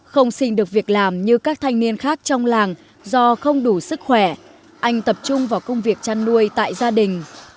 không xin được việc làm như các thanh niên khác trong làng do không đủ sức khỏe anh tập trung vào công việc chăn nuôi tại gia đình